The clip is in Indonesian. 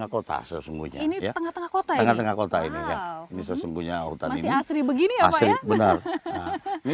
kota sesungguhnya ini tengah tengah kota ini sesungguhnya hutan ini asli begini ya benar ini